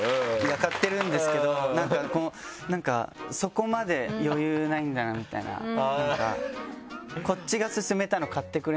買ってるんですけどなんか「そこまで余裕ないんだな」みたいななんか「こっちが薦めたの買ってくれないの？」